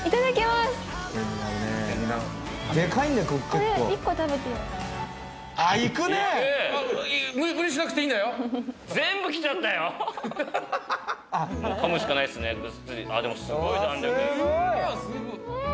すごい！ん！